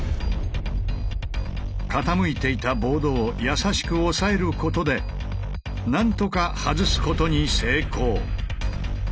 傾いていたボードを優しく押さえることでなんとか外すことに成功。